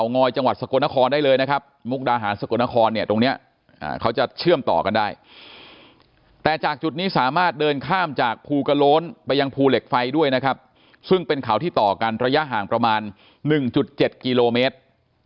งอยจังหวัดสกลนครได้เลยนะครับมุกดาหารสกลนครเนี่ยตรงเนี้ยเขาจะเชื่อมต่อกันได้แต่จากจุดนี้สามารถเดินข้ามจากภูกระโล้นไปยังภูเหล็กไฟด้วยนะครับซึ่งเป็นเขาที่ต่อกันระยะห่างประมาณ๑๗กิโลเมตร